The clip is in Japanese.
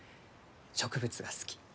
植物が好き。